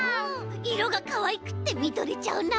いろがかわいくってみとれちゃうな！